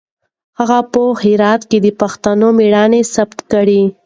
هغه په هرات کې د پښتنو مېړانه ثابته کړه.